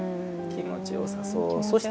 気持ちよさそうやね。